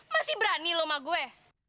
masih berani lo sama gue